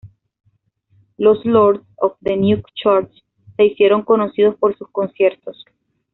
Los Lords of the New Church se hicieron conocidos por sus conciertos.